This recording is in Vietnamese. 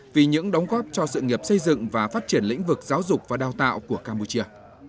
vì những đóng góp cho sự nghiệp xây dựng và phát triển lĩnh vực giáo dục và đào tạo của campuchia